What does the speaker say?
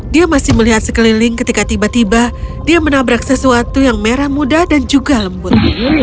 dia masih melihat sekeliling ketika tiba tiba dia menabrak sesuatu yang merah muda dan juga lembut